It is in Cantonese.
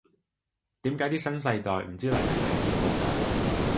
點解啲新世代唔知黎明係邊個㗎！